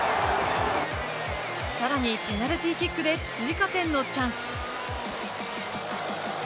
さらにペナルティーキックで追加点のチャンス。